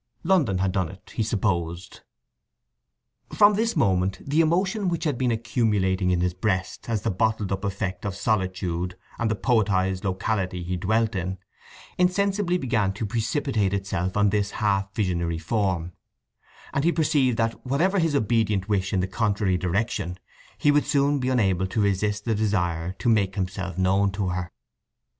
London had done it, he supposed. From this moment the emotion which had been accumulating in his breast as the bottled up effect of solitude and the poetized locality he dwelt in, insensibly began to precipitate itself on this half visionary form; and he perceived that, whatever his obedient wish in a contrary direction, he would soon be unable to resist the desire to make himself known to her.